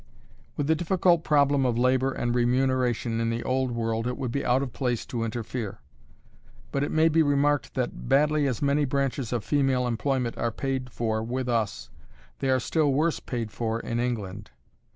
With the difficult problem of labor and remuneration in the Old World it would be out of place to interfere; but it may be remarked that, badly as many branches of female employment are paid for with us, they are still worse paid for in England.